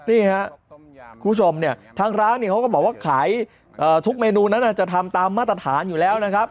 นี่ครับทางร้านเขาก็บอกว่าขายทุกเมนูนั้นจะทำตามมาตรฐานอยู่แล้วนะครับ